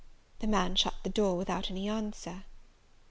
The man shut the door without any answer.